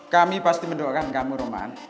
kami pasti mendoakan kamu roman